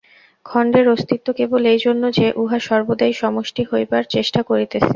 খণ্ডের অস্তিত্ব কেবল এইজন্য যে, উহা সর্বদাই সমষ্টি হইবার চেষ্টা করিতেছে।